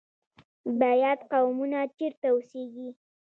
بیات قومونه چیرته اوسیږي؟